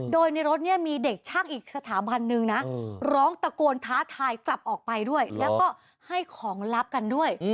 โดยในรถเนี่ยมีเด็กช่างอีกสถาบันนึงนะร้องตะโกนท้าทายกลับออกไปด้วยแล้วก็ให้ของลับกันด้วย